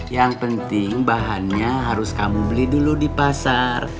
yang penting bahannya harus kamu beli dulu di pasar